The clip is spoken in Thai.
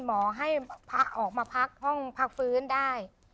หมอให้พระออกมาพักห้องพักฟื้นได้